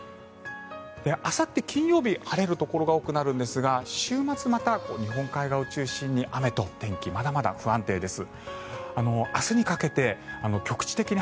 あさって、金曜日晴れるところが多くなるんですが週末、また日本海側を中心に雨と天気はまだまだ不安定です。